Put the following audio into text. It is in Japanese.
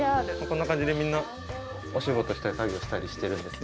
こんな感じでみんなお仕事したり作業したりしてるんです。